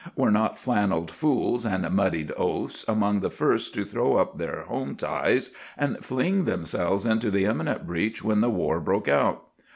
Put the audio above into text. Were not flannelled fools and muddied oafs among the first to throw up their home ties and fling themselves into the imminent breach when the war broke out?